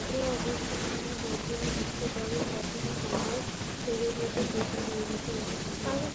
এ-অবস্থায় তিনি যখনই ইচ্ছা করেন, তখনই তাঁহার শরীর হইতে জ্যোতি নির্গত হয়।